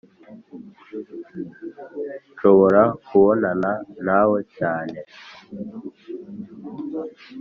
nshobora kubonana nawe cyane